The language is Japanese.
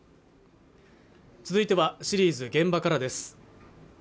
続いてはシリーズ「現場から」です